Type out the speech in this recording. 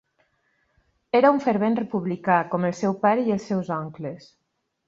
Era un fervent republicà, com el seu pare i els seus oncles.